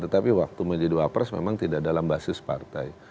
tetapi waktu menjadi wapres memang tidak dalam basis partai